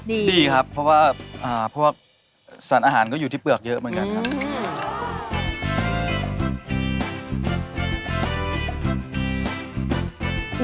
ดีครับเพราะว่าพวกสารอาหารก็อยู่ที่เปลือกเยอะเหมือนกันครับ